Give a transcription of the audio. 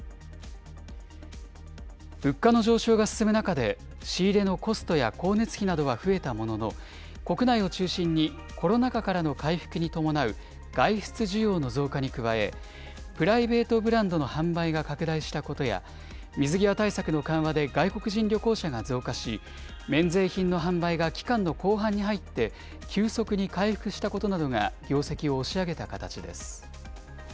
物価の上昇が進む中で、仕入れのコストや光熱費などは増えたものの、国内を中心にコロナ禍からの回復に伴う外出需要の増加に加え、プライベートブランドの販売が拡大したことや、水際対策の緩和で外国人旅行者が増加し、免税品の販売が期間の後半に入って急速に回復したことなどが業績を押し上げた形です。